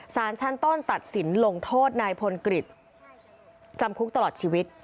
สารชั้นต้นตัดสินลงโทษนายพลกฤษจำคุกตลอดชีวิต